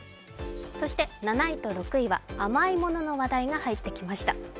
７位と６位は、甘いものの話題が入ってきました。